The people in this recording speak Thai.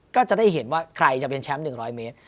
ก็จะได้เห็นว่าใครจะเป็นแชมป์๑๐๐เมตร